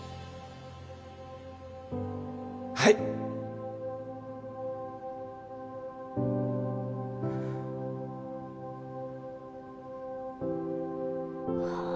はいあ